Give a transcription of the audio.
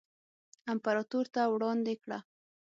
امپراتور ته وړاندې کړه.